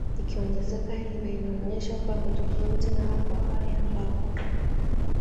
ukiongezeka Hilo linaonyesha kwamba tofauti na hapo awali ambapo